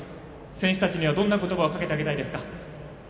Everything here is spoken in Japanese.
選手たちには、どんな言葉をかけてあげたいですか？